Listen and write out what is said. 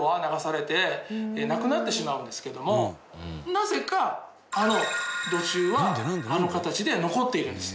なぜかあの土柱はあの形で残っているんです。